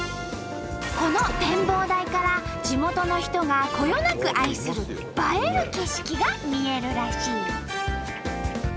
この展望台から地元の人がこよなく愛する映える景色が見えるらしい。